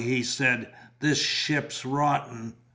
said he, "this ship's rotten."